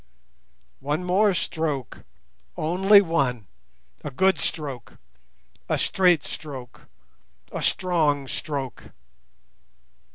"One more stroke, only one! A good stroke! a straight stroke! a strong stroke!"